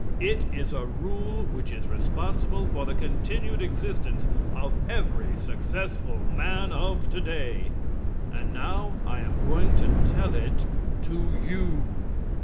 It is a rule which is responsible for the continued existence of every successful man of today. And now I am going to tell it to you.